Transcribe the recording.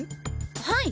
はい！